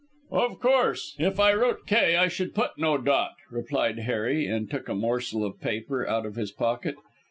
"Of course. If I wrote 'K' I should put no dot," replied Harry, and took a morsel of paper out of his pocket.